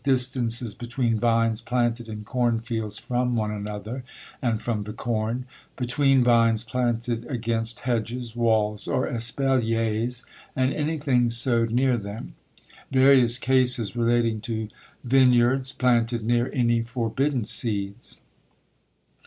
Distances between vines planted in corn fields from one another and from the corn; between vines planted against hedges, walls, or espaliers, and anything sowed near them. Various cases relating to vineyards planted near any forbidden seeds.